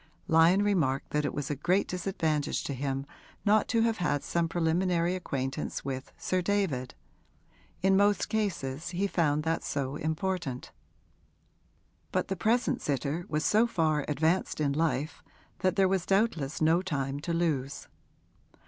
Lyon remarked that it was a great disadvantage to him not to have had some preliminary acquaintance with Sir David in most cases he found that so important. But the present sitter was so far advanced in life that there was doubtless no time to lose.